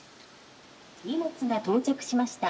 荷物が到着しました。